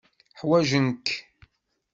Ḥwajen-k.